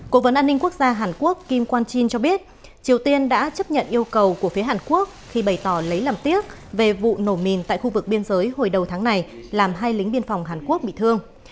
cố vấn an ninh quốc gia hàn quốc kim quan chin cho biết triều tiên đã chấp nhận yêu cầu của phía hàn quốc khi bày tỏ lấy làm tiếc về vụ nổ mìn tại khu vực biên giới hồi đầu tháng này làm hai lính biên phòng hàn quốc bị thương